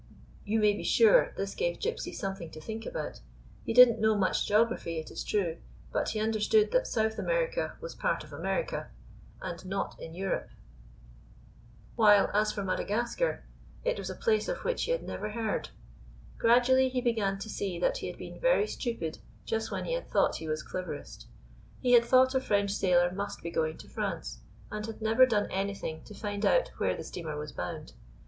You may be sure this gave Gypsy something to think about. He did n't know much geog raphy, it is true; but he understood that South America was part of America, and not in 144 Gypsy — 5 " GYP.SY CROUCHED TIGHT DOWN, AND HELD ON FOR HIS LIFE." Seep . 141. GYPSY'S VOYAGE Europe; while as for Madagascar, it was a place of which he had never heard. Gradually he began to see that he had been very stupid just when he had thought he was cleverest. He had thought a French sailor must be going to France, and had never done anything to find out where the steamer was bound.